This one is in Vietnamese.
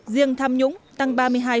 riêng tham nhũng tăng ba mươi hai hai mươi ba